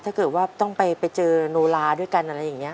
ถ้าเกิดว่าต้องไปเจอโนลาด้วยกันอะไรอย่างนี้